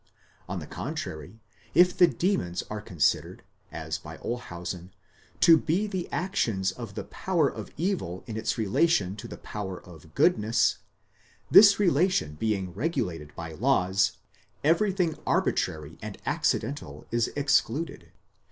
*! On the contrary, if the demons are considered, as by Olshausen, to be the actions of the power of evil in its relation to the power of goodness; this relation being regulated by laws, everything arbitrary and accidental is excluded.